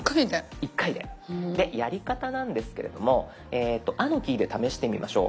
でやり方なんですけれども「あ」のキーで試してみましょう。